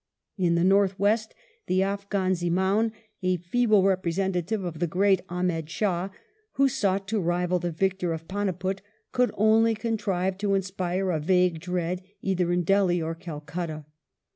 In the north west the Afghan Zemaun, a feeble repre sentative of the great Ahmed Shah, who sought to rival the victor of Paniput, could only contrive to inspire a vague dread either in Delhi or Calcutta.